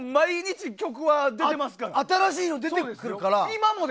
新しいの出てくるから。